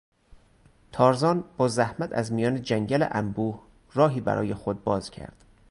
تارزان با زحمت از میان جنگل انبوه راهی برای خود باز کرد.